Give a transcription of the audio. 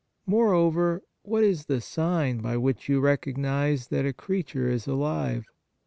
Moreover, what is the sign by which you recognize that a creature is alive